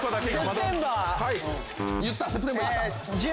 言った！